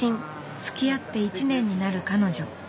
つきあって１年になる彼女。